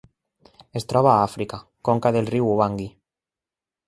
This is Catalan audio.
Es troba a Àfrica: conca del riu Ubangui.